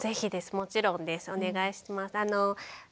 もちろんですお願いします。